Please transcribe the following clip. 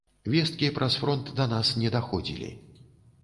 Весткі праз фронт да нас не даходзілі.